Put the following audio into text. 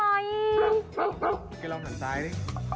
เกลียดลองหันซ้ายดิ